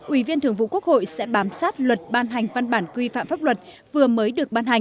ủy viên thường vụ quốc hội sẽ bám sát luật ban hành văn bản quy phạm pháp luật vừa mới được ban hành